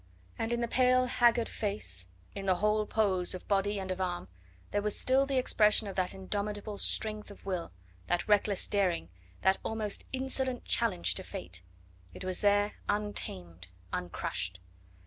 And in the pale, haggard face, in the whole pose of body and of arm, there was still the expression of that indomitable strength of will, that reckless daring, that almost insolent challenge to Fate; it was there untamed, uncrushed.